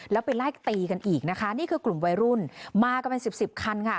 แล้วไปไล่ตีกันอีกนะคะนี่คือกลุ่มวัยรุ่นมากันเป็นสิบสิบคันค่ะ